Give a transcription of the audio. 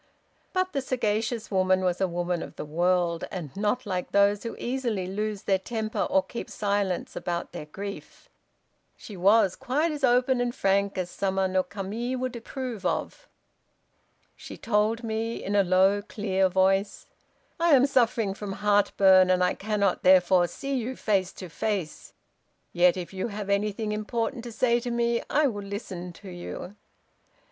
But the sagacious woman was a woman of the world, and not like those who easily lose their temper or keep silence about their grief. She was quite as open and frank as Sama no Kami would approve of. She told me, in a low clear voice, 'I am suffering from heartburn, and I cannot, therefore, see you face to face; yet, if you have anything important to say to me, I will listen to you.'